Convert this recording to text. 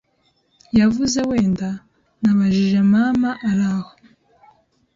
yavuze wenda. Nabajije mama, araho